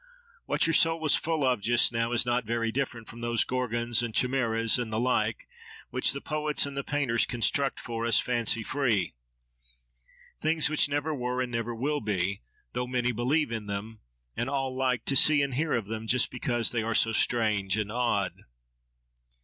What your soul was full of just now is not very different from those Gorgons and Chimaeras and the like, which the poets and the painters construct for us, fancy free:—things which never were, and never will be, though many believe in them, and all like to see and hear of them, just because they are so strange and odd.